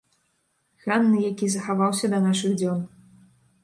Ганны, які захаваўся да нашых дзён.